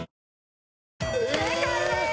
正解です！